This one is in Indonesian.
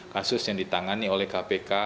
kasus yang ditangani oleh kpk